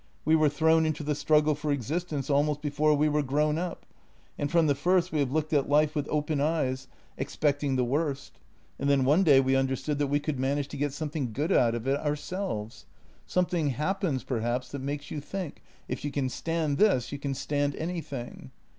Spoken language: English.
We were thrown into the struggle for existence almost before we were grown up, and from the first we have looked at life with open eyes, expecting JENNY 30 the worst. And then one day we understood that we could manage to get something good out of it ourselves. Something happens, perhaps, that makes you think: if you can stand this, you can stand anything.